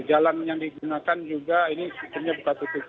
jalan yang digunakan juga ini sebetulnya berat tutup